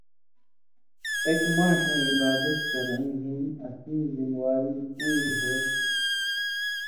ایک ماݜَیں عِبادت کرَیں ہِن اسیں ذمہ واری پُوریۡ ہو تھی۔